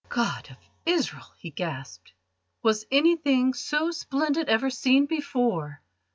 "God of Israel," he gasped, "was anything so splendid ever seen before!